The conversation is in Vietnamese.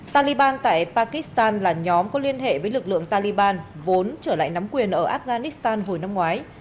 taliban tại pakistan là nhóm có liên hệ với lực lượng taliban vốn trở lại nắm quyền ở afghanistan hồi năm ngoái